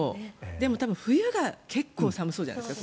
でも多分冬が結構寒そうじゃないですか。